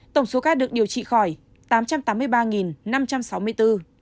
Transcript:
tổng số ca được điều trị khỏi tám trăm tám mươi ba năm trăm sáu mươi bốn